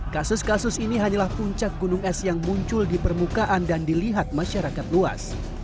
kasus kasus ini hanyalah puncak gunung es yang muncul di permukaan dan dilihat masyarakat luas